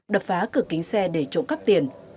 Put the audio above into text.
đập phá cửa kính xe để trộm cắp tiền